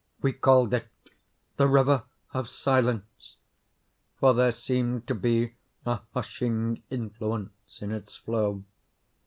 We called it the "River of Silence"; for there seemed to be a hushing influence in its flow.